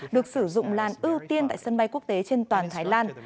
được sử dụng làn ưu tiên tại sân bay quốc tế trên toàn thái lan